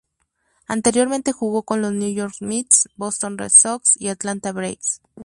Anteriormente jugó con los New York Mets, Boston Red Sox y Atlanta Braves.